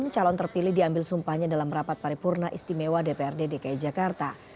enam calon terpilih diambil sumpahnya dalam rapat paripurna istimewa dprd dki jakarta